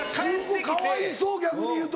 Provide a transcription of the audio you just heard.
すごっかわいそう逆に言うと。